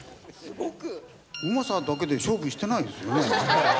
うまさだけで勝負してないですよね。